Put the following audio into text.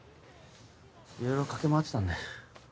いろいろ駆け回ってたんで。